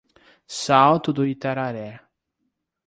Salto do Itararé